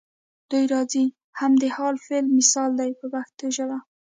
دوی راځي هم د حال فعل مثال دی په پښتو ژبه.